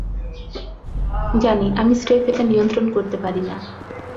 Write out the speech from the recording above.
জানি, আমি স্রেফ এটা নিয়ন্ত্রণ করতে পারি না।